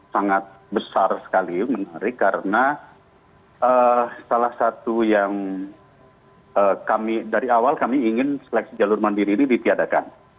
sangat besar sekali menarik karena salah satu yang kami dari awal kami ingin seleksi jalur mandiri ini ditiadakan